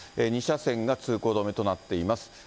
２車線が通行止めとなっています。